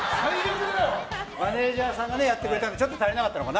マネジャーさんがやってくれたのでちょっと足りなかったのかな。